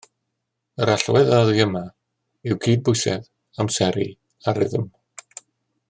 Yr allwedd oddi yma yw cydbwysedd, amseru a rhythm